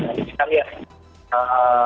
mungkin sekali ya